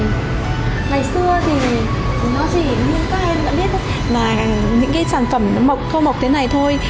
ngày xưa thì nó chỉ như các em đã biết là những cái sản phẩm nó mọc thơm mọc thế này thôi